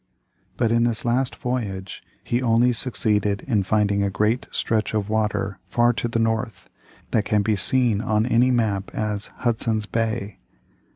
But in this last voyage, he only succeeded in finding a great stretch of water far to the north, that can be seen on any map as Hudson's Bay.